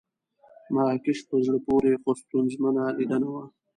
مراکش په زړه پورې خو ستونزمنه لیدنه وه.